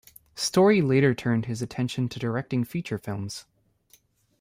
Story later turned his attention to directing feature films.